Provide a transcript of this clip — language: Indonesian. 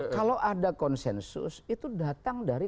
kalau ada konsensus itu datang dari